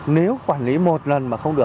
nếu quản lý một lần mà không được